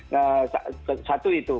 nah satu itu